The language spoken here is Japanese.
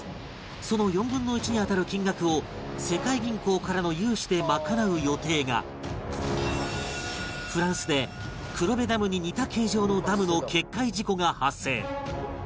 その４分の１に当たる金額を世界銀行からの融資で賄う予定がフランスで黒部ダムに似た形状のダムの決壊事故が発生